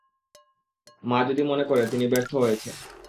মা যদি মনে করে তিনি ব্যর্থ হয়েছেন।